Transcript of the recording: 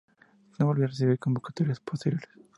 No volvió a recibir convocatorias posteriores.